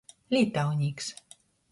Lītaunīks.